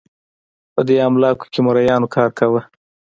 په دې املاکو کې مریانو کار کاوه.